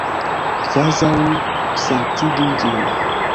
Kvazaŭ sanktigi ĝin.